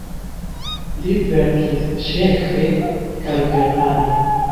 Li verkis ĉeĥe kaj germane.